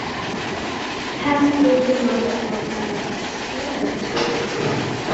“Have you told your mother about Clara?” she asked.